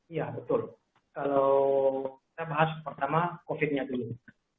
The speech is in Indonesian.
iya betul kalau saya bahas pertama covid sembilan belas nya dulu